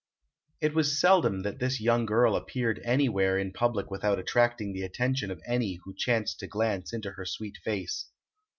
It was seldom that this young girl appeared anywhere in public without attracting the attention of any who chanced to glance into her sweet face.